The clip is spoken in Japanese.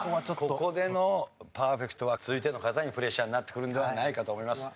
ここでのパーフェクトは続いての方にプレッシャーになってくるんではないかと思います。